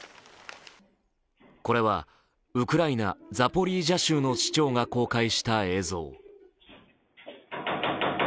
これはウクライナ・ザポリージャ州の市長が公開した映像。